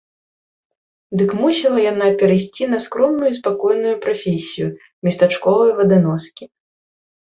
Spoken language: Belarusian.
Дык мусіла яна перайсці на скромную і спакойную прафесію местачковай ваданоскі.